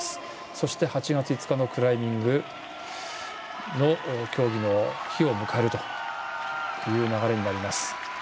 そして、８月５日のクライミング競技の日を迎える流れになります。